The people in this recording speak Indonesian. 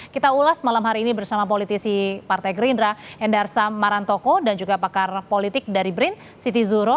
kita ulas malam hari ini bersama politisi partai gerindra endarsam marantoko dan juga pakar politik dari brin siti zuro